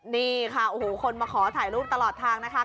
นี่ค่ะโอ้โหคนมาขอถ่ายรูปตลอดทางนะคะ